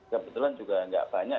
kebetulan juga tidak banyak